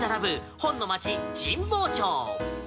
本の街、神保町。